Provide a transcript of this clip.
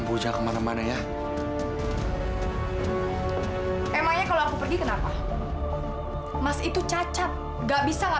beneran enggak mau nyuruh itu ngobrol